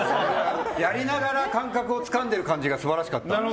やりながら感覚をつかんでる感じが素晴らしかった。